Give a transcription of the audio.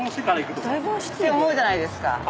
て思うじゃないですか。